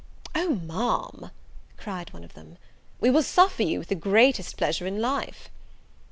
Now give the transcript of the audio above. "Oh! Ma'am," cried one of them, "we will suffer you with the greatest pleasure in life."